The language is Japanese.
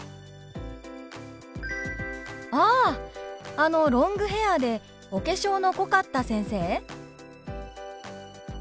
「ああのロングヘアーでお化粧の濃かった先生？」。